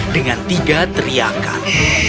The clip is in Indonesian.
dengan tiga teriakan